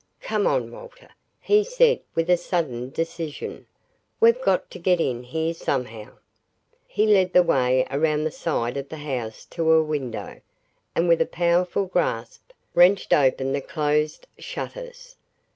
"Come on, Walter," he said with a sudden decision. "We've got to get in here somehow." He led the way around the side of the house to a window, and with a powerful grasp, wrenched open the closed shutters.